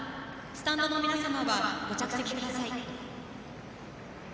スタンドの皆様はご着席ください。